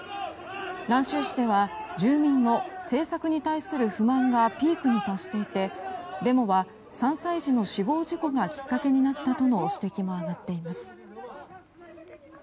蘭州市では住民の政策に対する不満がピークに達していてデモは３歳児の死亡事故がきっかけになったとの指摘も上がっています。